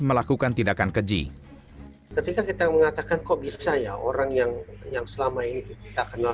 melakukan tindakan keji ketika kita mengatakan kok bisa ya orang yang yang selama ini kita kenal